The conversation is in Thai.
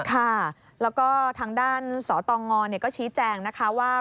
ค่ะแล้วก็ทางด้านสตงก็ชี้แจงนะคะว่า